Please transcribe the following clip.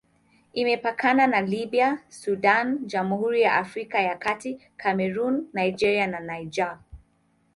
Imepakana na Libya, Sudan, Jamhuri ya Afrika ya Kati, Kamerun, Nigeria na Niger.